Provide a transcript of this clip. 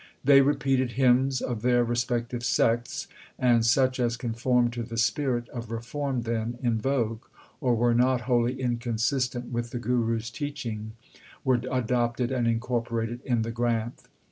They repeated hymns of their respective sects ; and such as conformed to the spirit of reform then in vogue, or were not wholly inconsistent with the Guru s teaching, were adopted and incorporated in the Granth.